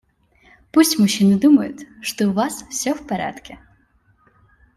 Пусть мужчины думают, что у Вас все в порядке.